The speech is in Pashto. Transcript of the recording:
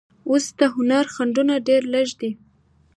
اوس د هنر خنډونه ډېر لږ دي.